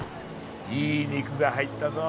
いい肉が入ったぞ。